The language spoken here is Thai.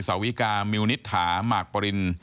สาวิกามิวนิษฐาหมากปริน